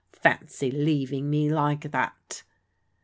Fancy leaving me like that."